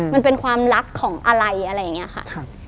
มันเป็นความรักของอะไรอะไรอย่างนี้ค่ะ